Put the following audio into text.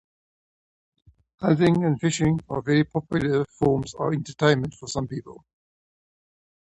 Hunting and fishing are very popular forms of entertainment for some people.